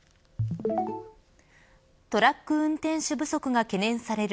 トラック運転手不足が懸念される